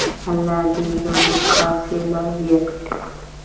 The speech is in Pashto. الله دې زموږ حاصلات زیات کړي.